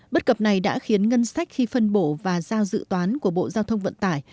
bất cập này đã khiến ngân sách khi phân bổ và giao dự toán của bộ giao thông vận tải